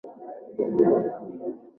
daraja hilo lina uwezo wa kubeba watu wanne